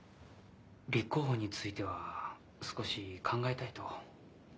立候補については少し考えたいと。